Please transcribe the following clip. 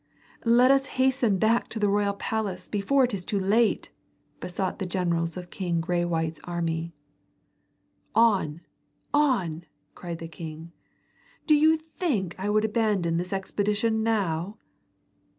"Let us hasten back to the royal palace before it is too late," besought the generals of King Graywhite's army. "On! On!" cried the king. "Do you think I would abandon this expedition now?"